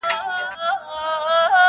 ستا له غمه مي بدن ټوله کړېږي,